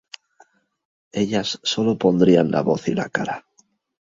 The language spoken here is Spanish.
Ellas sólo pondrían la voz y la cara.